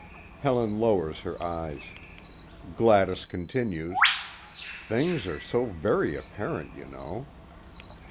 Helen lowers her eyes. Gladys continues: "Things are so very apparent, you know."